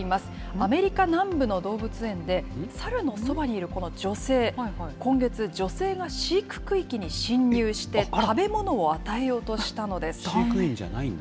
アメリカ南部の動物園で、サルのそばにいるこの女性、今月、女性が飼育区域に侵入して、飼育員じゃないんだ。